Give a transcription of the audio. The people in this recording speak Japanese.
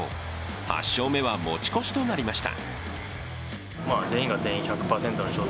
８勝目は持ち越しとなりました。